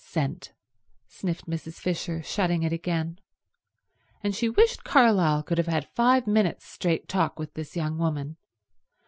"Scent," sniffed Mrs. Fisher, shutting it again; and she wished Carlyle could have had five minutes' straight talk with this young woman.